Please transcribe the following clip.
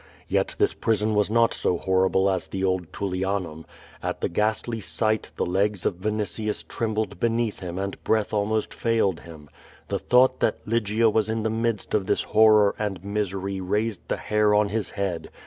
Yet this prison was not so horrible as the old Tullianum. At the ghastly sight, the legs of Vinitius trembled beneath him and breath almost failed him. The thought that Lygia was in the midst of this horror and misery raised the hair on his head.